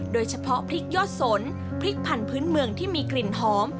โดยเฉพาะพริกยอดสนพริกพันธุ์เมืองที่มีกลิ่นหอม